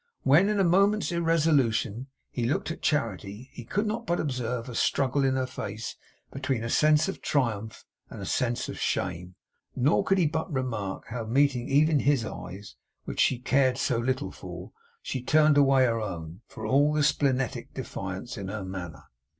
When, in a moment's irresolution, he looked at Charity, he could not but observe a struggle in her face between a sense of triumph and a sense of shame; nor could he but remark how, meeting even his eyes, which she cared so little for, she turned away her own, for all the splenetic defiance in her manner.